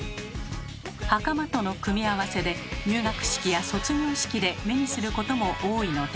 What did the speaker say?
はかまとの組み合わせで入学式や卒業式で目にすることも多いのでは？